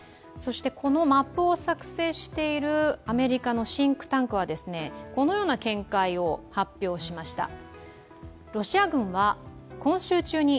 このマップを作成しているアメリカのシンクタンクはこのような見解を発表しました。